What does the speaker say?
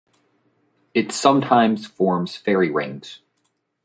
It sometimes forms fairy rings.